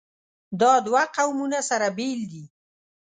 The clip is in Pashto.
دا دوه قومونه سره بېل دي.